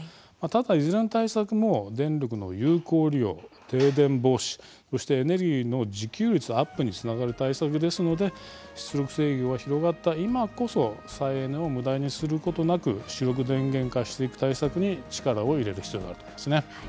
ただいずれの対策も電力の有効利用、停電防止そしてエネルギーの自給率アップにつながる対策ですので出力制御が広がった今こそ再エネをむだにすることなく主力電源化していく対策に力を入れる必要があると思うんですね。